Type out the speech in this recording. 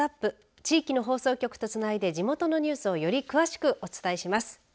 地域の放送局とつないで地元のニュースをより詳しくお伝えします。